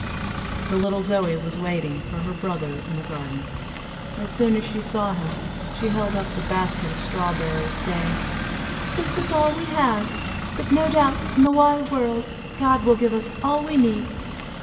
The little Zoie was waiting for her brother in the garden. As soon as she saw him, she held up the basket of strawberries, saying, "This is all we have, but, no doubt in the wide world, God will give us all we need."